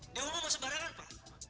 dewo mau masuk barangan pak